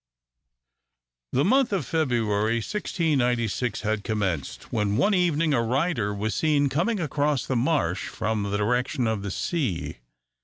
The month of February, 1696, had commenced, when one evening a rider was seen coming across the marsh from the direction of the sea.